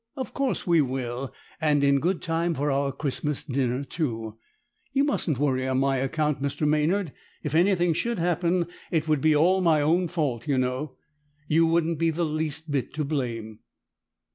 Of course we will; and in good time for our Christmas dinner, too! You mustn't worry on my account, Mr. Maynard. If anything should happen, it would be all my own fault, you know. You wouldn't be the least bit to blame."